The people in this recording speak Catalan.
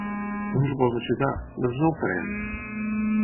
No ens vols ajudar?; doncs no ho farem!